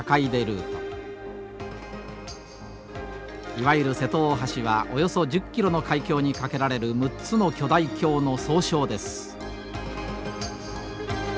いわゆる瀬戸大橋はおよそ１０キロの海峡に架けられる６つの巨大橋の総称です。